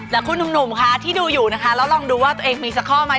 แล้วคุณหนุ่มคะที่ดูอยู่นะคะแล้วลองดูว่าตัวเองมีสักข้อไหม